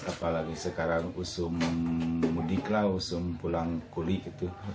apalagi sekarang usum mudik lah usum pulang kuli gitu